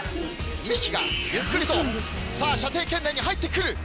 ２匹がゆっくりと射程圏内に入ってくる。